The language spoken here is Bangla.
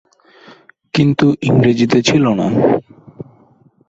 কিন্তু ইংরেজিতে ছিল না।